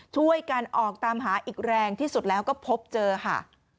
ช่วยกันออกตามหาอีกแรงที่สุดแล้วก็พบเจอค่ะ